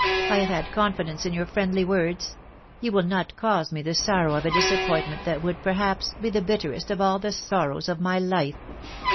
I have had confidence in your friendly words ; you will not cause me the sorrow of a disappointment that would, perhaps, be the bitterest of all the sorrows of my life!